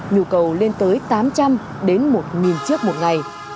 nhu cầu lên tới tám trăm linh đến một chiếc một ngày